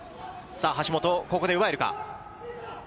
橋本、ここで奪えるか。